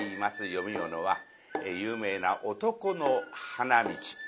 読み物は有名な「男の花道」。